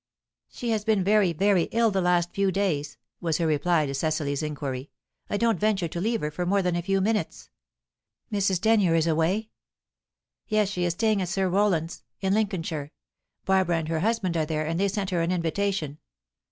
"She has been very, very ill the last few days," was her reply to Cecily's inquiry. "I don't venture to leave her for more than a few minutes." "Mrs. Denyer is away!" "Yes; she is staying at Sir Roland's, in Lincolnshire. Barbara and her husband are there, and they sent her an invitation."